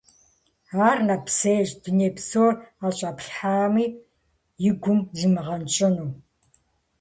Ар нэпсейщ, дуней псор ӀэщӀэплъхьами и гум зимыгъэнщӀыну.